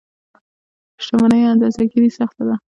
شتمنيو اندازه ګیري سخته ده.